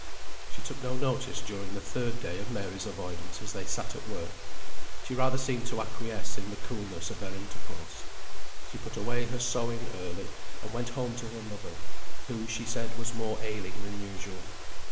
She took no notice during the third day of Mary's avoidance as they sat at work; she rather seemed to acquiesce in the coolness of their intercourse. She put away her sewing early, and went home to her mother, who, she said, was more ailing than usual.